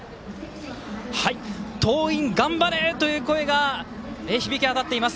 桐蔭頑張れという声が響き渡っています